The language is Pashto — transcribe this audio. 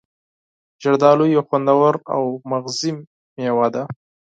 زردآلو یو خوندور او مغذي میوه ده.